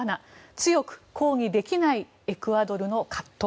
強く抗議できないエクアドルの葛藤。